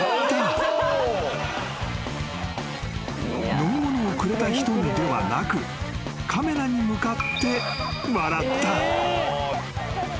［飲み物をくれた人にではなくカメラに向かって］